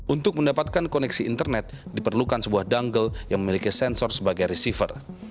untuk mendapatkan koneksi internet diperlukan sebuah dungle yang memiliki sensor sebagai receiver